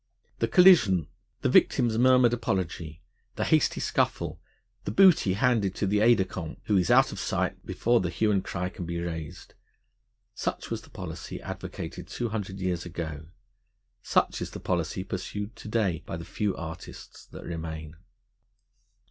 The collision, the victim's murmured apology, the hasty scuffle, the booty handed to the aide de camp, who is out of sight before the hue and cry can be raised such was the policy advocated two hundred years ago; such is the policy pursued to day by the few artists that remain.